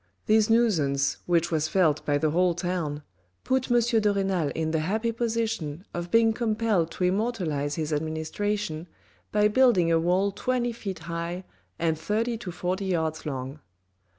This nuisance, which was felt by the whole town, put M. de Renal in the happy position of being compelled to immortalise his administration by building a wall twenty feet high and thirty to forty yards long.